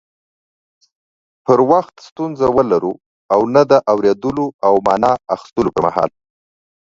پر وخت ستونزه ولرو او نه د اوريدلو او معنی اخستلو پر مهال